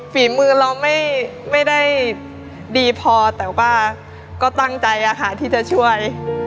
ฝีมือเราไม่ได้ดีพอแต่ว่าก็ตั้งใจที่จะช่วย